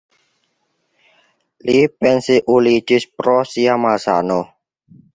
Li pensiuliĝis pro sia malsano.